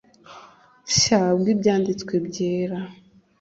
Nshya bw ibyanditswe byera